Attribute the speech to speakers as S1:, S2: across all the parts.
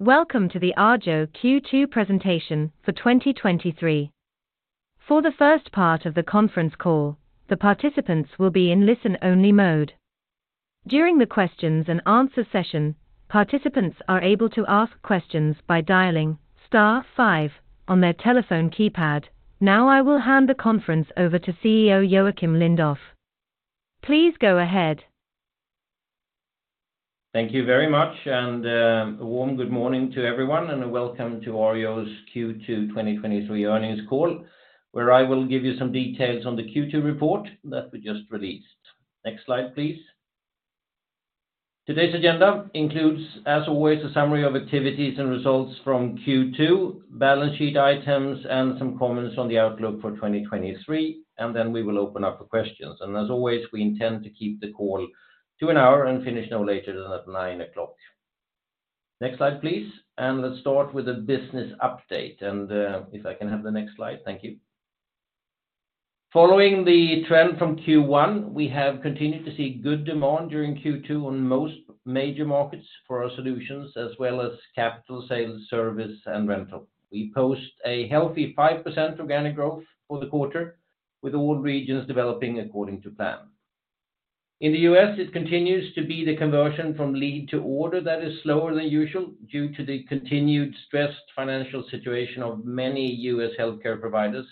S1: Welcome to the Arjo Q2 presentation for 2023. For the first part of the conference call, the participants will be in listen-only mode. During the questions and answer session, participants are able to ask questions by dialing star five on their telephone keypad. Now, I will hand the conference over to CEO Joacim Lindoff. Please go ahead.
S2: Thank you very much, and a warm good morning to everyone, and welcome to Arjo's Q2 2023 earnings call, where I will give you some details on the Q2 report that we just released. Next slide, please. Today's agenda includes, as always, a summary of activities and results from Q2, balance sheet items, and some comments on the outlook for 2023, and then we will open up for questions. As always, we intend to keep the call to an hour and finish no later than at 9:00 A.M. Next slide, please. Let's start with a business update, and if I can have the next slide. Thank you. Following the trend from Q1, we have continued to see good demand during Q2 on most major markets for our solutions, as well as capital sales, service and rental. We post a healthy 5% organic growth for the quarter, with all regions developing according to plan. In the U.S., it continues to be the conversion from lead to order that is slower than usual due to the continued stressed financial situation of many U.S. healthcare providers,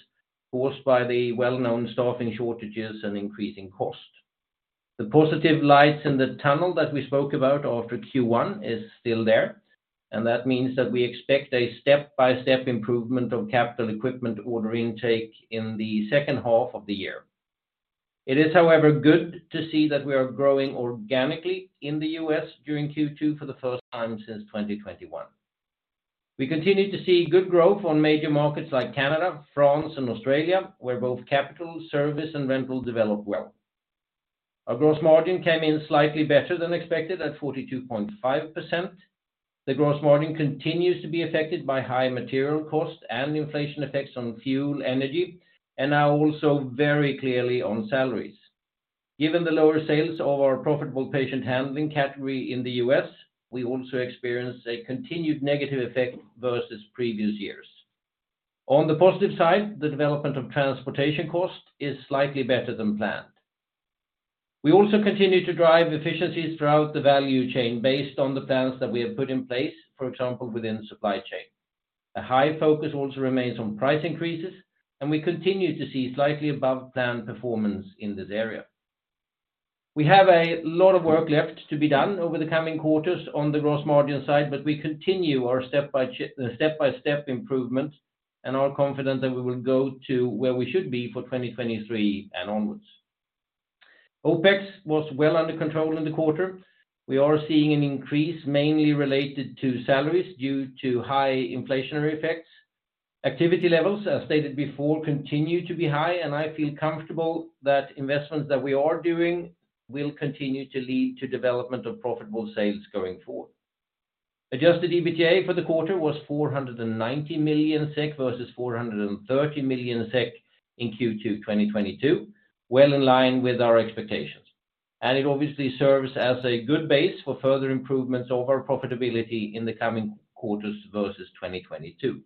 S2: forced by the well-known staffing shortages and increasing costs. The positive lights in the tunnel that we spoke about after Q1 is still there. That means that we expect a step-by-step improvement of capital equipment order intake in the second half of the year. It is, however, good to see that we are growing organically in the U.S. during Q2 for the first time since 2021. We continue to see good growth on major markets like Canada, France, and Australia, where both capital, service, and rental develop well. Our gross margin came in slightly better than expected at 42.5%. The gross margin continues to be affected by high material costs and inflation effects on fuel, energy, and now also very clearly on salaries. Given the lower sales of our profitable patient handling category in the U.S., we also experienced a continued negative effect versus previous years. On the positive side, the development of transportation cost is slightly better than planned. We also continue to drive efficiencies throughout the value chain based on the plans that we have put in place, for example, within supply chain. A high focus also remains on price increases, and we continue to see slightly above plan performance in this area. We have a lot of work left to be done over the coming quarters on the gross margin side, but we continue our step-by-step improvement and are confident that we will go to where we should be for 2023 and onwards. OPEX was well under control in the quarter. We are seeing an increase mainly related to salaries due to high inflationary effects. Activity levels, as stated before, continue to be high, and I feel comfortable that investments that we are doing will continue to lead to development of profitable sales going forward. Adjusted EBITDA for the quarter was 490 million SEK versus 430 million SEK in Q2 2022, well in line with our expectations. It obviously serves as a good base for further improvements over profitability in the coming quarters versus 2022.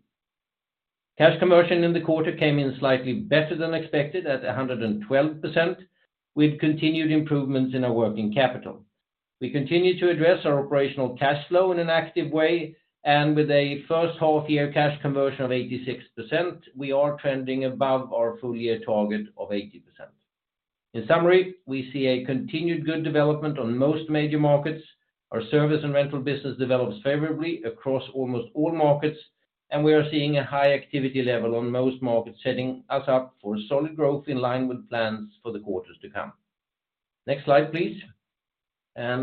S2: Cash conversion in the quarter came in slightly better than expected at 112%, with continued improvements in our working capital. We continue to address our operational cash flow in an active way, and with a first half year cash conversion of 86%, we are trending above our full year target of 80%. In summary, we see a continued good development on most major markets. Our service and rental business develops favorably across almost all markets, and we are seeing a high activity level on most markets, setting us up for solid growth in line with plans for the quarters to come. Next slide, please.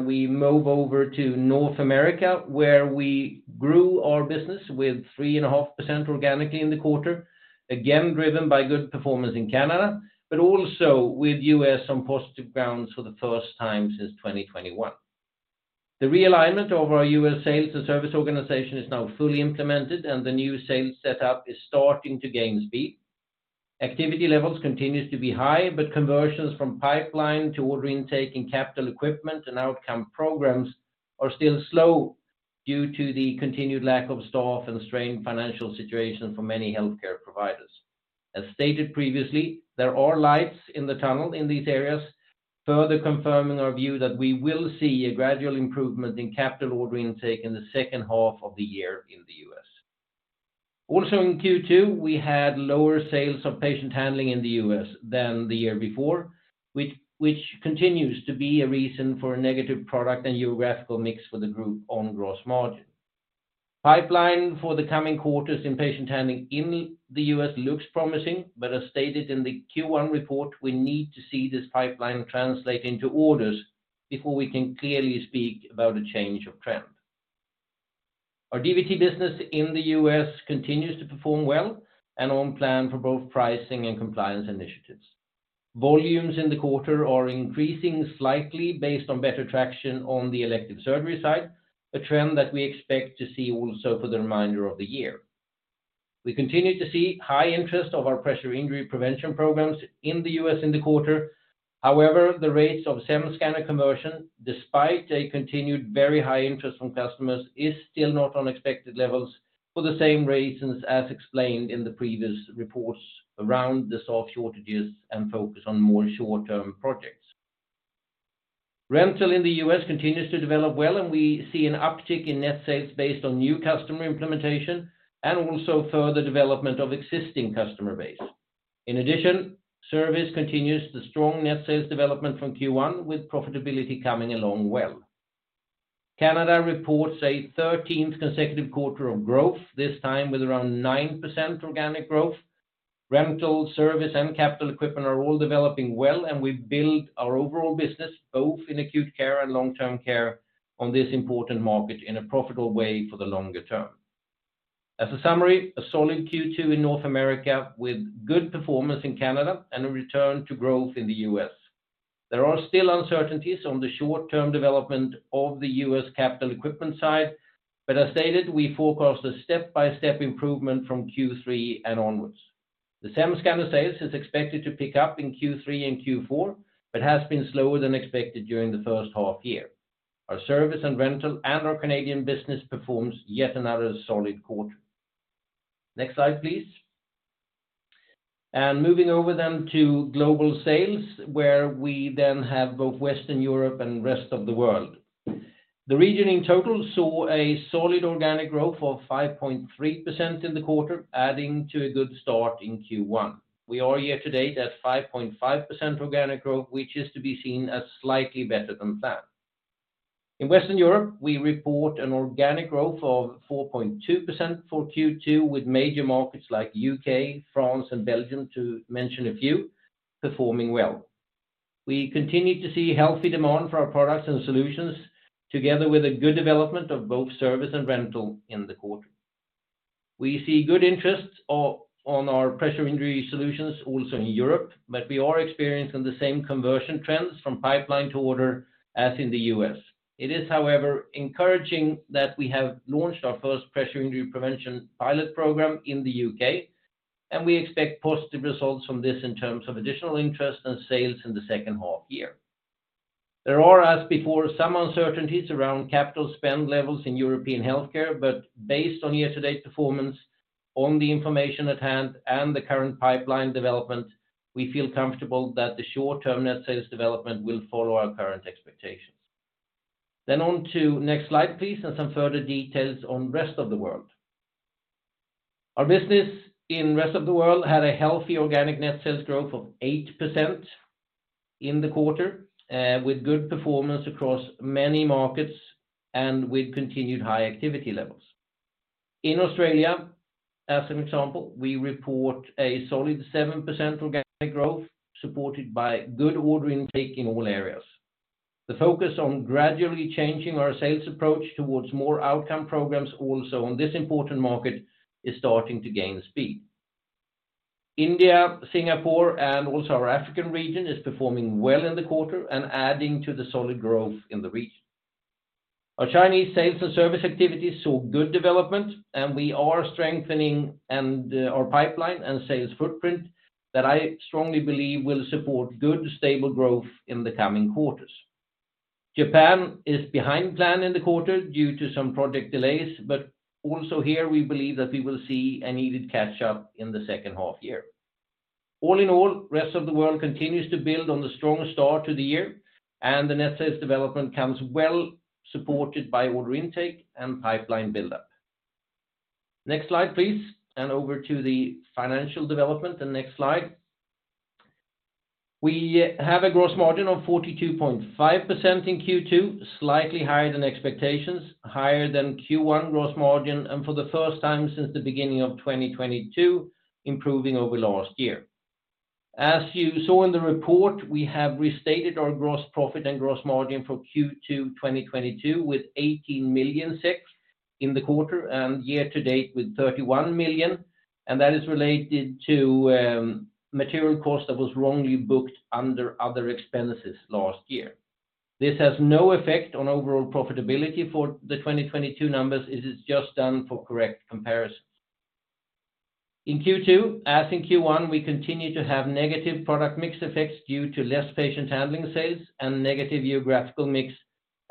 S2: We move over to North America, where we grew our business with 3.5% organically in the quarter, again, driven by good performance in Canada, but also with U.S. on positive grounds for the first time since 2021. The realignment of our U.S. sales and service organization is now fully implemented, and the new sales setup is starting to gain speed. Activity levels continues to be high, but conversions from pipeline to order intake and capital equipment and outcome programs are still slow due to the continued lack of staff and strained financial situation for many healthcare providers. As stated previously, there are lights in the tunnel in these areas, further confirming our view that we will see a gradual improvement in capital order intake in the second half of the year in the U.S. In Q2, we had lower sales of patient handling in the US than the year before, which continues to be a reason for a negative product and geographical mix for the group on gross margin. Pipeline for the coming quarters in patient handling in the US looks promising, but as stated in the Q1 report, we need to see this pipeline translate into orders before we can clearly speak about a change of trend. Our DVT business in the US continues to perform well and on plan for both pricing and compliance initiatives. Volumes in the quarter are increasing slightly based on better traction on the elective surgery side, a trend that we expect to see also for the remainder of the year. We continue to see high interest of our pressure injury prevention programs in the US in the quarter. The rates of SEM Scanner conversion, despite a continued very high interest from customers, is still not on expected levels for the same reasons as explained in the previous reports around the soft shortages and focus on more short-term projects. Rental in the U.S. continues to develop well, and we see an uptick in net sales based on new customer implementation and also further development of existing customer base. In addition, service continues the strong net sales development from Q1, with profitability coming along well. Canada reports a thirteenth consecutive quarter of growth, this time with around 9% organic growth. Rental, service, and capital equipment are all developing well, and we build our overall business, both in acute care and long-term care, on this important market in a profitable way for the longer term. As a summary, a solid Q2 in North America, with good performance in Canada and a return to growth in the U.S. There are still uncertainties on the short-term development of the U.S. capital equipment side, but as stated, we forecast a step-by-step improvement from Q3 and onwards. The SEM scanner sales is expected to pick up in Q3 and Q4, but has been slower than expected during the first half-year. Our service and rental and our Canadian business performs yet another solid quarter. Next slide, please. Moving over then to global sales, where we then have both Western Europe and rest of the world. The region in total saw a solid organic growth of 5.3% in the quarter, adding to a good start in Q1. We are here to date at 5.5% organic growth, which is to be seen as slightly better than planned. In Western Europe, we report an organic growth of 4.2% for Q2, with major markets like U.K., France, and Belgium, to mention a few, performing well. We continue to see healthy demand for our products and solutions, together with a good development of both service and rental in the quarter. We see good interest on our pressure injury solutions also in Europe, but we are experiencing the same conversion trends from pipeline to order as in the U.S. It is, however, encouraging that we have launched our first pressure injury prevention pilot program in the U.K., and we expect positive results from this in terms of additional interest and sales in the second half year. There are, as before, some uncertainties around capital spend levels in European healthcare, but based on year-to-date performance, on the information at hand, and the current pipeline development, we feel comfortable that the short-term net sales development will follow our current expectations. On to next slide, please, and some further details on rest of the world. Our business in rest of the world had a healthy organic net sales growth of 8% in the quarter, with good performance across many markets and with continued high activity levels. In Australia, as an example, we report a solid 7% organic growth, supported by good order intake in all areas. The focus on gradually changing our sales approach towards more outcome programs also on this important market, is starting to gain speed. India, Singapore, and also our African region is performing well in the quarter and adding to the solid growth in the region. Our Chinese sales and service activities saw good development, and we are strengthening our pipeline and sales footprint that I strongly believe will support good, stable growth in the coming quarters. Japan is behind plan in the quarter due to some project delays, also here we believe that we will see a needed catch-up in the second half year. All in all, rest of the world continues to build on the strong start to the year, the net sales development comes well supported by order intake and pipeline buildup. Next slide, please, over to the financial development, next slide. We have a gross margin of 42.5% in Q2, slightly higher than expectations, higher than Q1 gross margin, and for the first time since the beginning of 2022, improving over last year. As you saw in the report, we have restated our gross profit and gross margin for Q2, 2022, with 18.6 million in the quarter and year to date with 31 million, and that is related to material cost that was wrongly booked under other expenses last year. This has no effect on overall profitability for the 2022 numbers. It is just done for correct comparisons. In Q2, as in Q1, we continue to have negative product mix effects due to less patient handling sales and negative geographical mix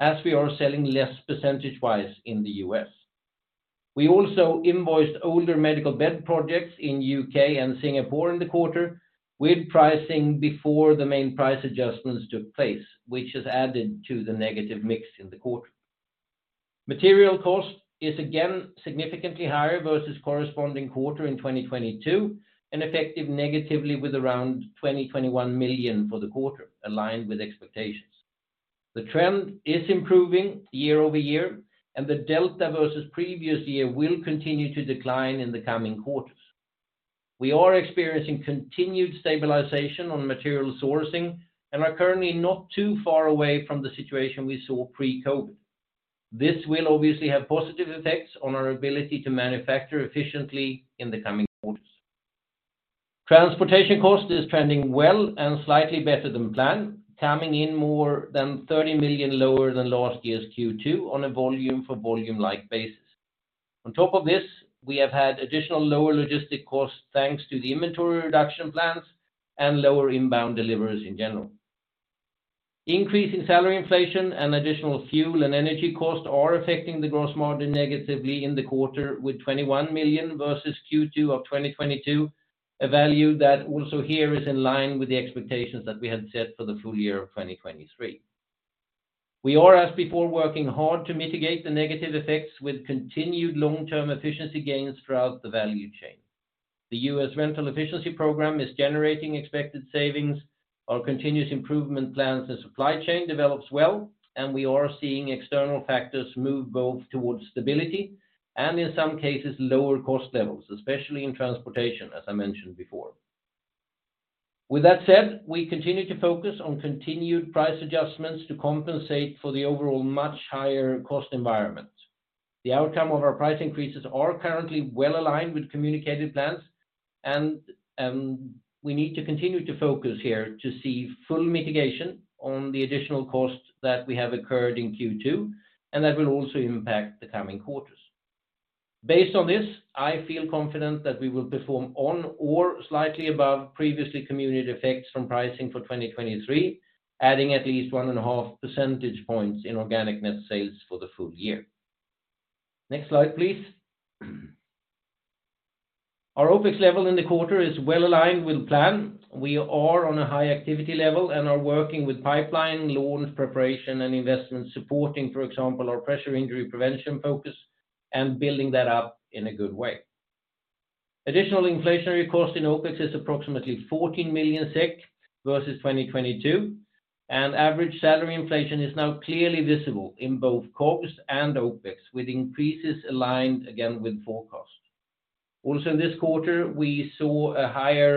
S2: as we are selling less percentage-wise in the U.S. We also invoiced older medical bed projects in U.K. and Singapore in the quarter, with pricing before the main price adjustments took place, which has added to the negative mix in the quarter. Material cost is again significantly higher versus corresponding quarter in 2022, and effective negatively with around 21 million for the quarter, aligned with expectations. The trend is improving year-over-year, and the delta versus previous year will continue to decline in the coming quarters. We are experiencing continued stabilization on material sourcing and are currently not too far away from the situation we saw pre-COVID. This will obviously have positive effects on our ability to manufacture efficiently in the coming quarters. Transportation cost is trending well and slightly better than planned, coming in more than 30 million lower than last year's Q2 on a volume for volume like basis. On top of this, we have had additional lower logistic costs, thanks to the inventory reduction plans and lower inbound deliveries in general. Increase in salary inflation and additional fuel and energy costs are affecting the gross margin negatively in the quarter, with 21 million versus Q2 of 2022, a value that also here is in line with the expectations that we had set for the full year of 2023. We are, as before, working hard to mitigate the negative effects with continued long-term efficiency gains throughout the value chain. The US rental efficiency program is generating expected savings. Our continuous improvement plans and supply chain develops well, and we are seeing external factors move both towards stability and in some cases, lower cost levels, especially in transportation, as I mentioned before. With that said, we continue to focus on continued price adjustments to compensate for the overall much higher cost environment. The outcome of our price increases are currently well aligned with communicated plans, and we need to continue to focus here to see full mitigation on the additional costs that we have occurred in Q2, and that will also impact the coming quarters. Based on this, I feel confident that we will perform on or slightly above previously communicated effects from pricing for 2023, adding at least 1.5 percentage points in organic net sales for the full year. Next slide, please. Our OPEX level in the quarter is well aligned with plan. We are on a high activity level and are working with pipeline, loans, preparation, and investment, supporting, for example, our pressure injury prevention focus and building that up in a good way. Additional inflationary cost in OPEX is approximately 14 million SEK versus 2022. Average salary inflation is now clearly visible in both COGS and OPEX, with increases aligned again with forecast. In this quarter, we saw a higher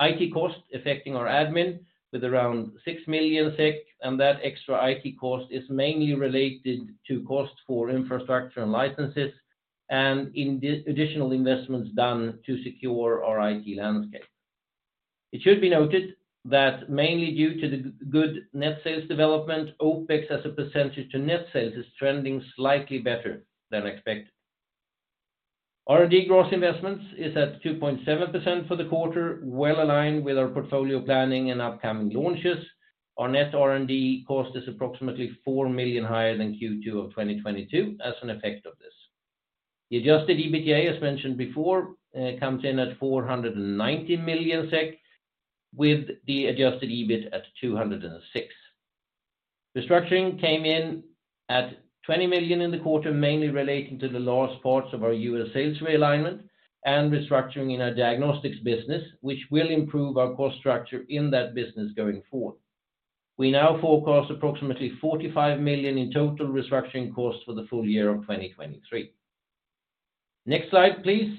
S2: IT cost affecting our admin with around 6 million SEK. That extra IT cost is mainly related to cost for infrastructure and licenses, and in additional investments done to secure our IT landscape. It should be noted that mainly due to the good net sales development, OPEX, as a percentage to net sales, is trending slightly better than expected. R&D gross investments is at 2.7% for the quarter, well aligned with our portfolio planning and upcoming launches. Our net R&D cost is approximately 4 million higher than Q2 of 2022 as an effect of this. The adjusted EBITDA, as mentioned before, comes in at 490 million SEK, with the adjusted EBIT at 206 million. Restructuring came in at 20 million in the quarter, mainly relating to the last parts of our US sales realignment and restructuring in our diagnostics business, which will improve our cost structure in that business going forward. We now forecast approximately 45 million in total restructuring costs for the full year of 2023. Next slide, please.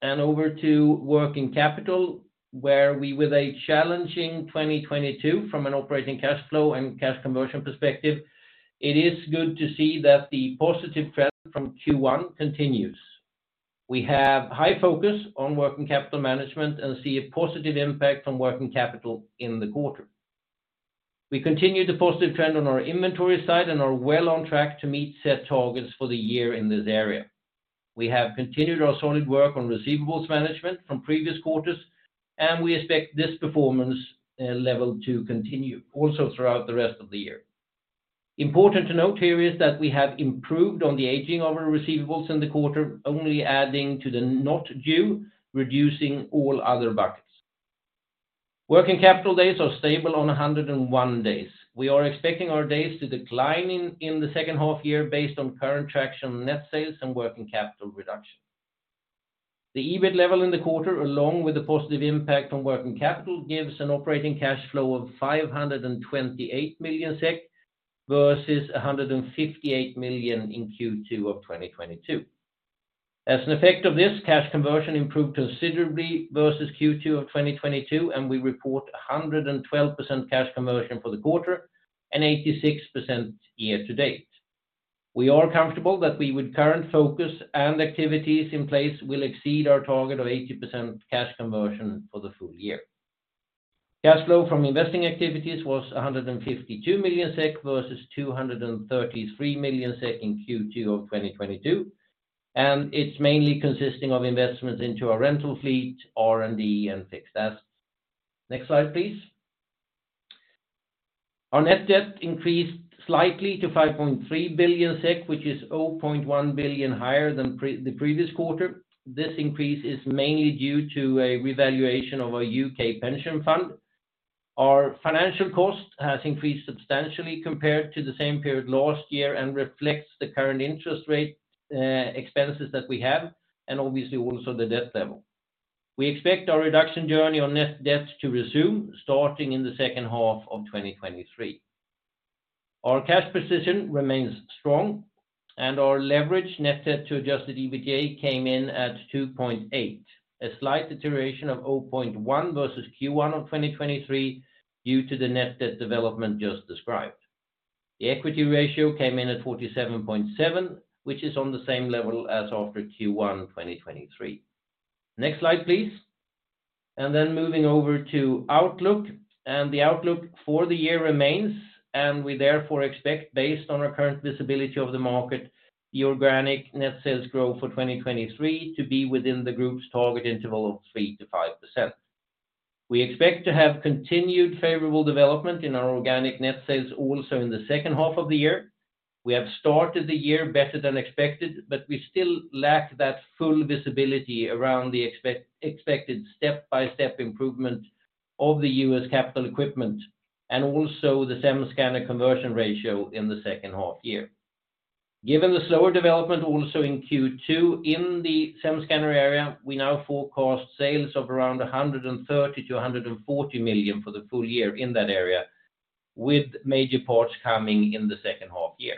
S2: Over to working capital, where we, with a challenging 2022 from an operating cash flow and cash conversion perspective, it is good to see that the positive trend from Q1 continues. We have high focus on working capital management and see a positive impact from working capital in the quarter. We continue the positive trend on our inventory side and are well on track to meet set targets for the year in this area. We have continued our solid work on receivables management from previous quarters, and we expect this performance level to continue also throughout the rest of the year. Important to note here is that we have improved on the aging of our receivables in the quarter, only adding to the not due, reducing all other buckets. Working capital days are stable on 101 days. We are expecting our days to decline in the second half year based on current traction, net sales, and working capital reduction. The EBIT level in the quarter, along with the positive impact from working capital, gives an operating cash flow of 528 million SEK, versus 158 million in Q2 of 2022. An effect of this, cash conversion improved considerably versus Q2 of 2022, and we report 112% cash conversion for the quarter and 86% year to date. We are comfortable that we, with current focus and activities in place, will exceed our target of 80% cash conversion for the full year. Cash flow from investing activities was 152 million SEK versus 233 million SEK in Q2 of 2022, it's mainly consisting of investments into our rental fleet, R&D, and fixed assets. Next slide, please. Our net debt increased slightly to 5.3 billion SEK, which is 0.1 billion higher than the previous quarter. This increase is mainly due to a revaluation of our U.K. pension fund. Our financial cost has increased substantially compared to the same period last year and reflects the current interest rate expenses that we have, and obviously also the debt level. We expect our reduction journey on net debt to resume starting in the second half of 2023. Our cash position remains strong. Our leverage net debt to adjusted EBITDA came in at 2.8, a slight deterioration of 0.1 versus Q1 of 2023 due to the net debt development just described. The equity ratio came in at 47.7, which is on the same level as after Q1, 2023. Next slide, please. Then moving over to outlook, the outlook for the year remains, we therefore expect, based on our current visibility of the market, the organic net sales growth for 2023 to be within the group's target interval of 3%-5%. We expect to have continued favorable development in our organic net sales also in the second half of the year. We still lack that full visibility around the expected step-by-step improvement of the U.S. capital equipment and also the SEM Scanner conversion ratio in the second half year. Given the slower development also in Q2, in the SEM Scanner area, we now forecast sales of around 130 million-140 million for the full year in that area, with major parts coming in the second half year.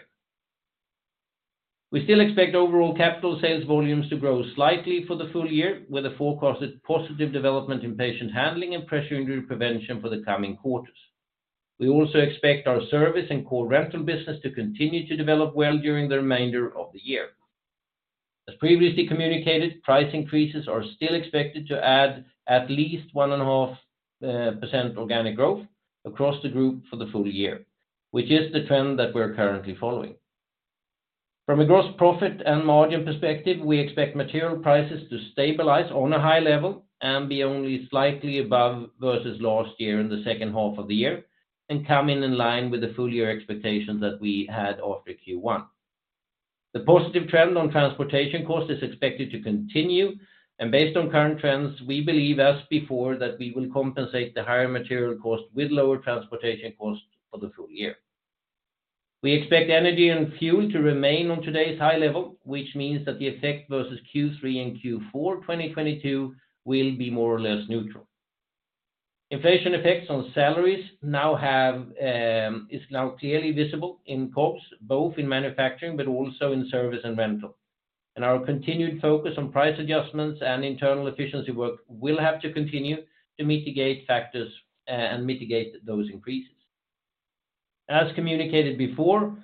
S2: We still expect overall capital sales volumes to grow slightly for the full year, with a forecasted positive development in patient handling and pressure injury prevention for the coming quarters. We also expect our service and core rental business to continue to develop well during the remainder of the year. As previously communicated, price increases are still expected to add at least 1.5% organic growth across the group for the full year, which is the trend that we're currently following. From a gross profit and margin perspective, we expect material prices to stabilize on a high level and be only slightly above versus last year in the second half of the year, and come in in line with the full year expectations that we had after Q1. The positive trend on transportation cost is expected to continue, and based on current trends, we believe, as before, that we will compensate the higher material cost with lower transportation costs for the full year. We expect energy and fuel to remain on today's high level, which means that the effect versus Q3 and Q4 2022 will be more or less neutral. Inflation effects on salaries is now clearly visible in costs, both in manufacturing but also in service and rental. Our continued focus on price adjustments and internal efficiency work will have to continue to mitigate factors, and mitigate those increases. As communicated before,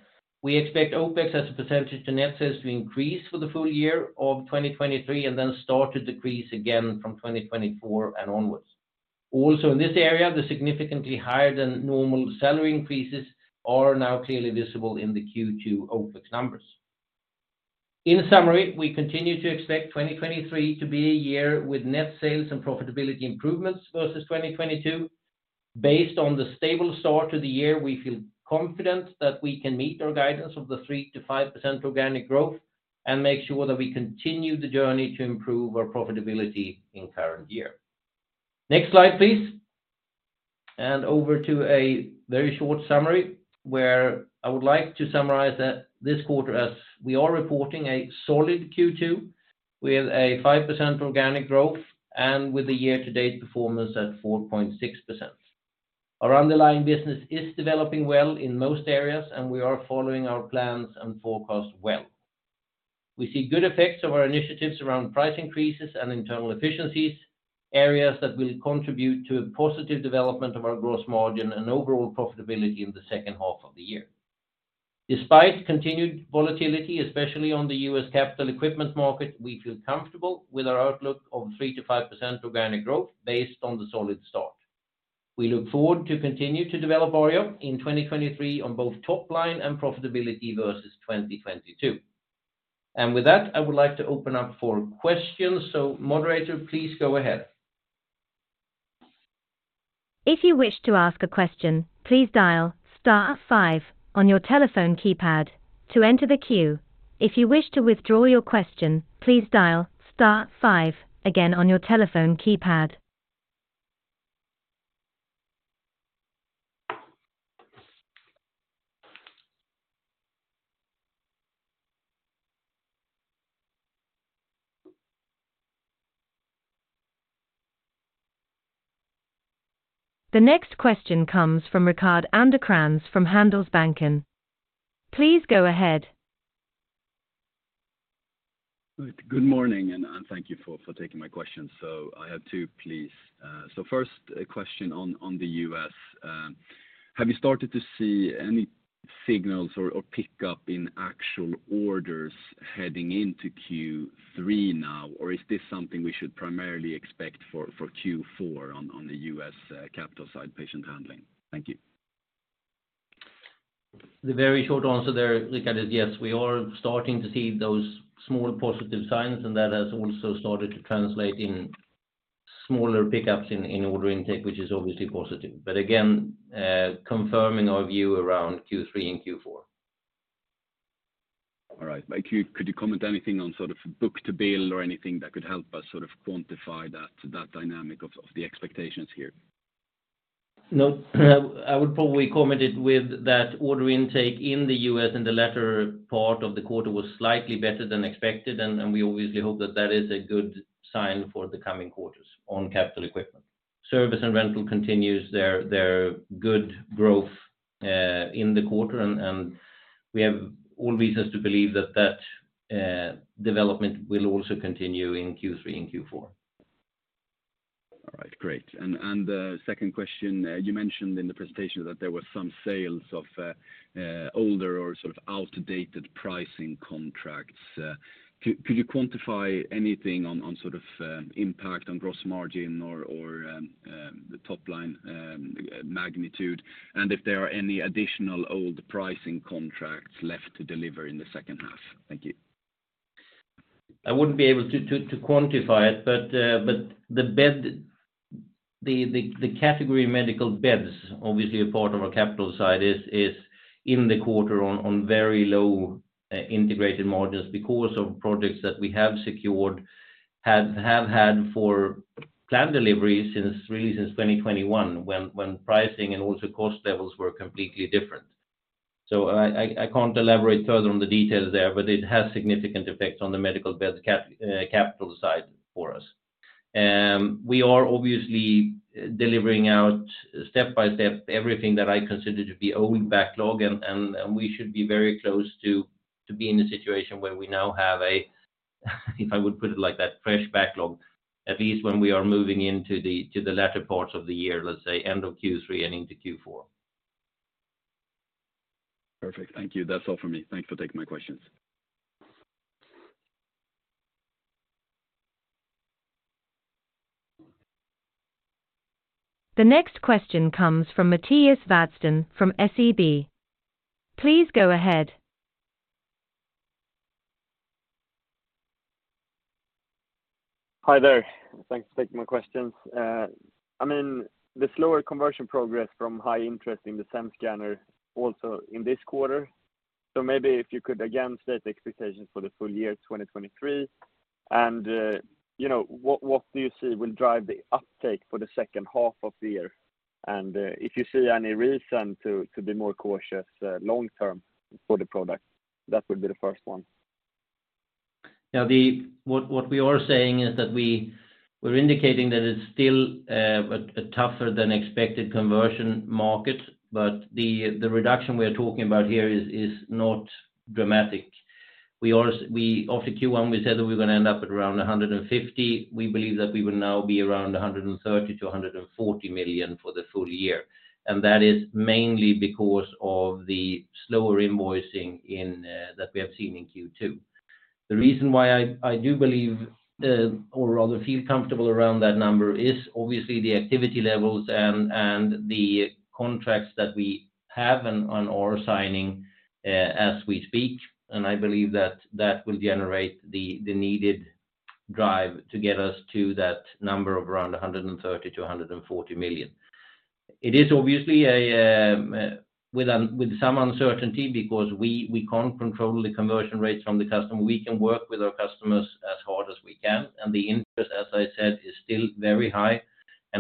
S2: we expect OPEX as a percentage to net sales to increase for the full year of 2023, and then start to decrease again from 2024 and onwards. In this area, the significantly higher than normal salary increases are now clearly visible in the Q2 OPEX numbers. In summary, we continue to expect 2023 to be a year with net sales and profitability improvements versus 2022. Based on the stable start to the year, we feel confident that we can meet our guidance of the 3%-5% organic growth and make sure that we continue the journey to improve our profitability in current year. Next slide, please. Over to a very short summary, where I would like to summarize that this quarter, as we are reporting a solid Q2, with a 5% organic growth and with a year-to-date performance at 4.6%. Our underlying business is developing well in most areas, and we are following our plans and forecast well. We see good effects of our initiatives around price increases and internal efficiencies, areas that will contribute to a positive development of our gross margin and overall profitability in the second half of the year. Despite continued volatility, especially on the U.S. capital equipment market, we feel comfortable with our outlook of 3%-5% organic growth based on the solid start. We look forward to continue to develop Oreo in 2023 on both top line and profitability versus 2022. With that, I would like to open up for questions. Moderator, please go ahead.
S1: If you wish to ask a question, please dial star 5 on your telephone keypad to enter the queue. If you wish to withdraw your question, please dial star 5 again on your telephone keypad. The next question comes from Rickard Anderkrans from Handelsbanken. Please go ahead.
S3: Good morning, and thank you for taking my question. I have two, please. First, a question on the U.S. Have you started to see any signals or pickup in actual orders heading into Q3 now? Or is this something we should primarily expect for Q4 on the U.S. capital side, patient handling? Thank you.
S2: The very short answer there, Rickard, is yes, we are starting to see those small positive signs. That has also started to translate in smaller pick ups in order intake, which is obviously positive. Again, confirming our view around Q3 and Q4.
S3: All right. Could you comment anything on sort of book-to-bill or anything that could help us sort of quantify that dynamic of the expectations here?
S2: I would probably comment it with that order intake in the U.S., in the latter part of the quarter was slightly better than expected, and we obviously hope that that is a good sign for the coming quarters on capital equipment. Service and rental continues their good growth in the quarter, and we have all reasons to believe that that development will also continue in Q3 and Q4.
S3: Great. The second question, you mentioned in the presentation that there were some sales of older or sort of outdated pricing contracts. Could you quantify anything on sort of impact on gross margin or the top line magnitude? If there are any additional old pricing contracts left to deliver in the second half? Thank you.
S2: I wouldn't be able to quantify it, but the bed, the category medical beds, obviously a part of our capital side, is in the quarter on very low integrated margins because of projects that we have secured, have had for plant deliveries since really since 2021, when pricing and also cost levels were completely different. I can't elaborate further on the details there, but it has significant effects on the medical bed capital side for us. We are obviously delivering out step by step, everything that I consider to be owing backlog, and we should be very close to be in a situation where we now have a, if I would put it like that, fresh backlog, at least when we are moving to the latter parts of the year, let's say end of Q3 and into Q4.
S3: Perfect. Thank you. That's all for me. Thanks for taking my questions.
S1: The next question comes from Mattias Vadsten from SEB. Please go ahead.
S4: Hi there. Thanks for taking my questions. I mean, the slower conversion progress from high interest in the SEM Scanner also in this quarter. Maybe if you could again state the expectations for the full year, 2023, you know, what do you see will drive the uptake for the second half of the year? If you see any reason to be more cautious, long term for the product, that would be the first one.
S2: What we are saying is that we're indicating that it's still a tougher than expected conversion market, but the reduction we are talking about here is not dramatic. We, after Q1, said that we were going to end up at around 150 million. We believe that we will now be around 130 million-140 million for the full year, and that is mainly because of the slower invoicing in that we have seen in Q2. The reason why I do believe, or rather feel comfortable around that number is obviously the activity levels and the contracts that we have on our signing as we speak. I believe that that will generate the needed drive to get us to that number of around 130 million-140 million. It is obviously a with some uncertainty because we can't control the conversion rates from the customer. We can work with our customers as hard as we can, the interest, as I said, is still very high.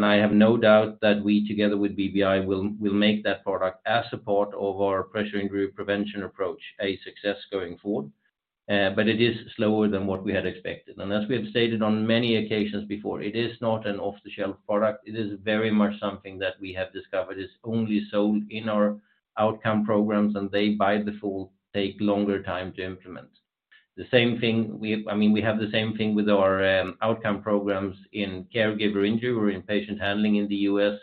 S2: I have no doubt that we, together with BBI, will make that product as support of our pressure injury prevention approach, a success going forward. It is slower than what we had expected. As we have stated on many occasions before, it is not an off-the-shelf product. It is very much something that we have discovered. It's only sold in our outcome programs, and they, by default, take longer time to implement. The same thing I mean, we have the same thing with our outcome programs in caregiver injury or in patient handling in the U.S.,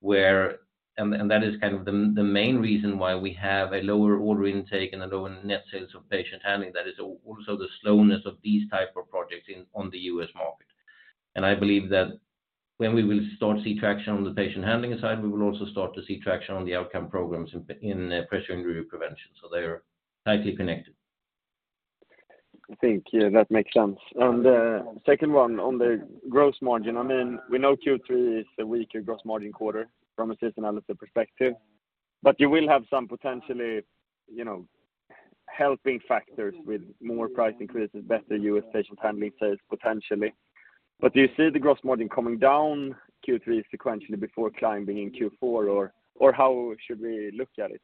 S2: where. That is kind of the main reason why we have a lower order intake and a lower net sales of patient handling. That is also the slowness of these type of projects in, on the U.S. market. I believe that when we will start to see traction on the patient handling side, we will also start to see traction on the outcome programs in pressure injury prevention. They are tightly connected.
S4: I think, yeah, that makes sense. Second one, on the gross margin, I mean, we know Q3 is a weaker gross margin quarter from a system analysis perspective, you will have some potentially, you know, helping factors with more price increases, better US patient handling sales, potentially. Do you see the gross margin coming down Q3 sequentially before climbing in Q4, or how should we look at it?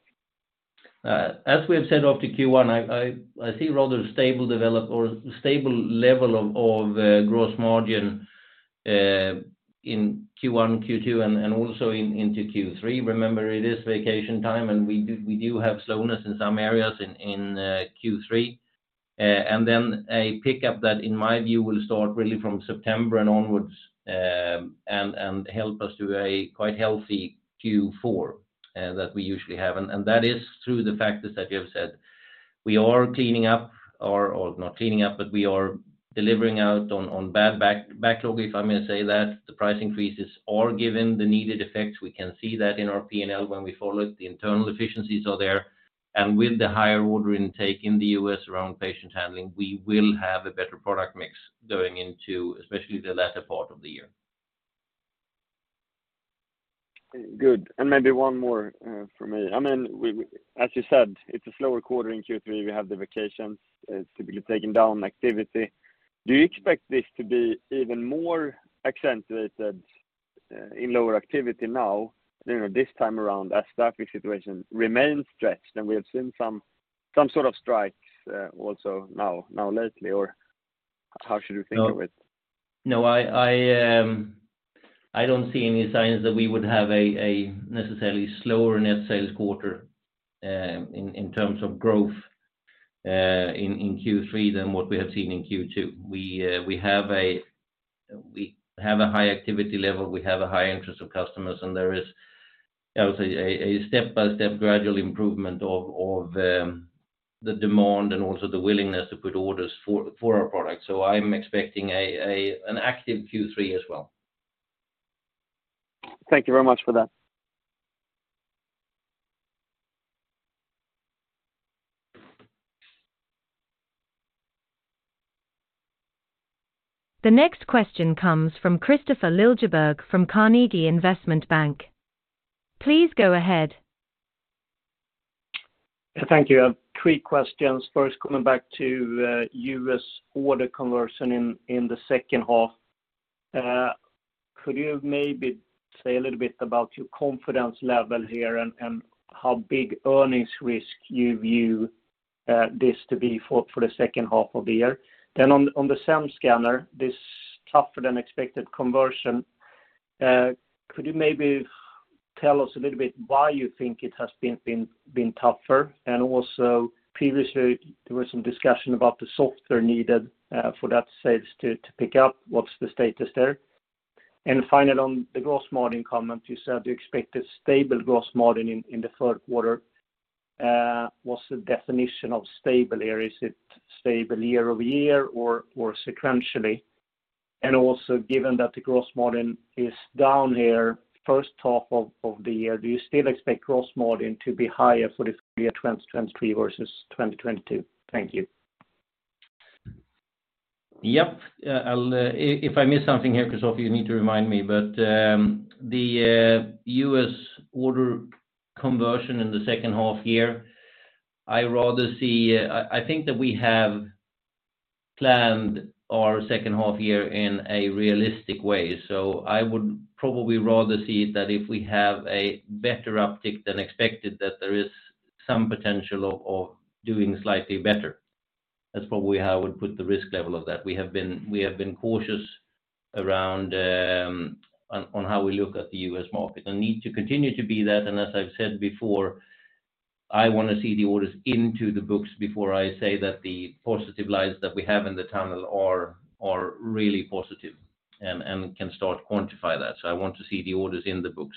S2: As we have said off the Q1, I see rather stable level of gross margin in Q1, Q2, and also into Q3. Remember, it is vacation time, and we do have slowness in some areas in Q3. A pickup that, in my view, will start really from September and onwards, and help us to a quite healthy Q4 that we usually have. That is through the factors that you have said. We are cleaning up, or not cleaning up, but we are delivering out on bad backlog, if I may say that. The price increases are giving the needed effects. We can see that in our P&L when we follow it, the internal efficiencies are there. With the higher order intake in the U.S. around patient handling, we will have a better product mix going into, especially the latter part of the year.
S4: Good. Maybe one more from me. I mean, as you said, it's a slower quarter in Q3. We have the vacations, typically taking down activity. Do you expect this to be even more accentuated in lower activity now, you know, this time around, as staffing situation remains stretched? We have seen some sort of strikes also lately, or how should we think of it?
S2: No, I don't see any signs that we would have a necessarily slower net sales quarter, in Q3 than what we have seen in Q2. We have a high activity level, we have a high interest of customers, and there is, I would say, a step-by-step gradual improvement of the demand and also the willingness to put orders for our products. I'm expecting an active Q3 as well.
S4: Thank you very much for that.
S1: The next question comes from Kristofer Liljeberg from Carnegie Investment Bank. Please go ahead.
S5: Thank you. I have 3 questions. First, coming back to U.S. order conversion in the second half, could you maybe say a little bit about your confidence level here, and how big earnings risk you view this to be for the second half of the year? On the SEM Scanner, this tougher than expected conversion, could you maybe tell us a little bit why you think it has been tougher? Also previously, there was some discussion about the software needed for that sales to pick up. What's the status there? Finally, on the gross margin comment, you said you expect a stable gross margin in the third quarter. What's the definition of stable here? Is it stable year-over-year or sequentially? Also, given that the gross margin is down here, first half of the year, do you still expect gross margin to be higher for the full year 2023 versus 2022? Thank you.
S2: Yep. I'll if I miss something here, Kristofer, you need to remind me. The U.S. order conversion in the second half year, I rather see. I think that we have planned our second half year in a realistic way. I would probably rather see that if we have a better uptick than expected, that there is some potential of doing slightly better. That's probably how I would put the risk level of that. We have been cautious around on how we look at the U.S. market. I need to continue to be that, and as I've said before, I want to see the orders into the books before I say that the positive lights that we have in the tunnel are really positive and can start to quantify that. I want to see the orders in the books.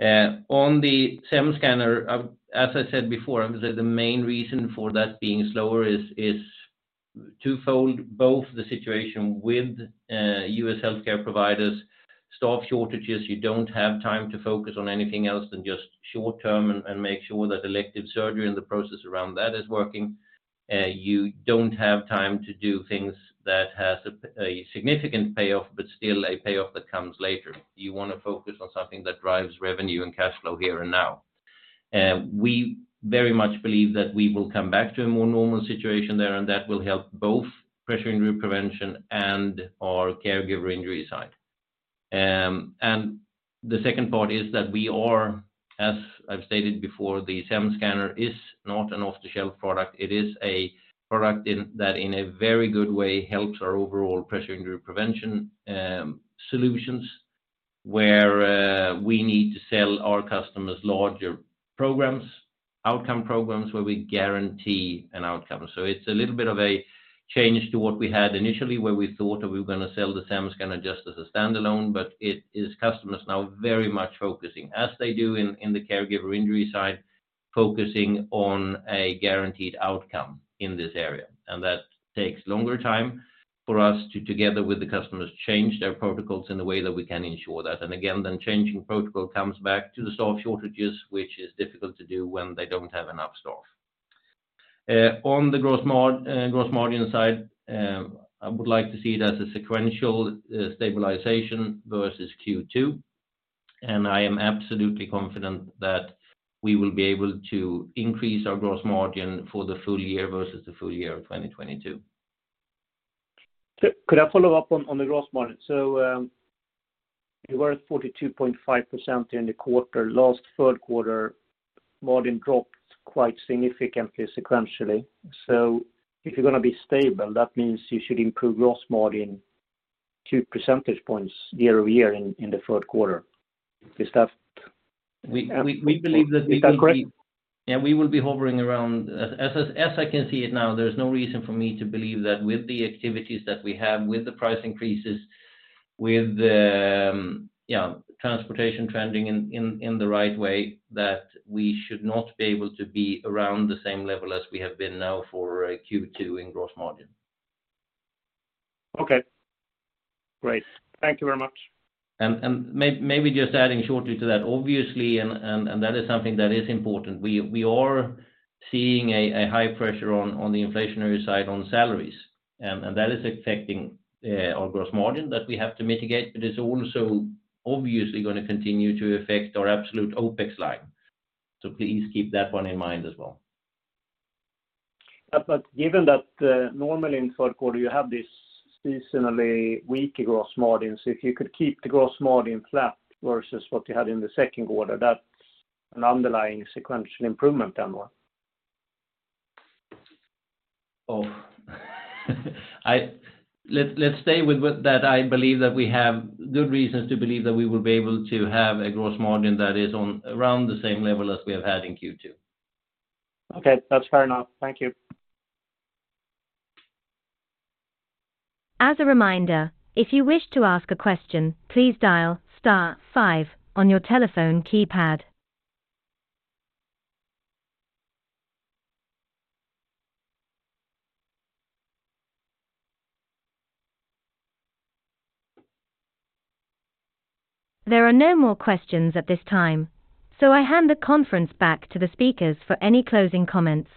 S2: On the SEM Scanner, as I said before, the main reason for that being slower is twofold. Both the situation with U.S. healthcare providers, staff shortages, you don't have time to focus on anything else than just short term and make sure that elective surgery and the process around that is working. You don't have time to do things that has a significant payoff, but still a payoff that comes later. You want to focus on something that drives revenue and cash flow here and now. We very much believe that we will come back to a more normal situation there, and that will help both pressure injury prevention and our caregiver injury side. The second part is that we are, as I've stated before, the SEM Scanner is not an off-the-shelf product. It is a product that in a very good way helps our overall pressure injury prevention solutions, where we need to sell our customers larger programs, outcome programs, where we guarantee an outcome. It's a little bit of a change to what we had initially, where we thought that we were going to sell the SEM Scanner just as a standalone, but it is customers now very much focusing, as they do in the caregiver injury side, focusing on a guaranteed outcome in this area. That takes longer time for us to, together with the customers, change their protocols in a way that we can ensure that. Again, then changing protocol comes back to the staff shortages, which is difficult to do when they don't have enough staff. On the gross margin side, I would like to see it as a sequential stabilization versus Q2, and I am absolutely confident that we will be able to increase our gross margin for the full year versus the full year of 2022.
S5: Could I follow up on the gross margin? You were at 42.5% in the quarter. Last third quarter, margin dropped quite significantly, sequentially. If you're going to be stable, that means you should improve gross margin 2 percentage points year-over-year in the third quarter. Is that?
S2: We believe.
S5: Is that correct?
S2: We will be hovering around. As I can see it now, there's no reason for me to believe that with the activities that we have, with the price increases, with, yeah, transportation trending in the right way, that we should not be able to be around the same level as we have been now for Q2 in gross margin.
S5: Okay, great. Thank you very much.
S2: Maybe just adding shortly to that, obviously, and that is something that is important. We are seeing a high pressure on the inflationary side on salaries, and that is affecting our gross margin that we have to mitigate, but it's also obviously going to continue to affect our absolute OPEX line. Please keep that one in mind as well.
S5: Given that, normally in third quarter, you have this seasonally weaker gross margin, if you could keep the gross margin flat versus what you had in the second quarter, that's an underlying sequential improvement then, what?
S2: I let's stay with what that I believe that we have good reasons to believe that we will be able to have a gross margin that is on around the same level as we have had in Q2.
S5: Okay, that's fair enough. Thank you.
S1: As a reminder, if you wish to ask a question, please dial star five on your telephone keypad. There are no more questions at this time. I hand the conference back to the speakers for any closing comments.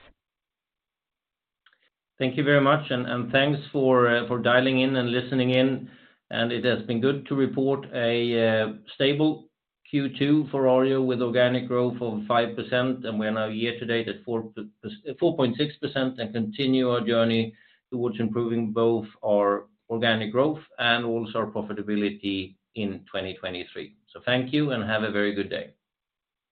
S2: Thank you very much, and thanks for dialing in and listening in. It has been good to report a stable Q2 for Arjo, with organic growth of 5%, and we are now year to date at 4.6%, and continue our journey towards improving both our organic growth and also our profitability in 2023. Thank you, and have a very good day.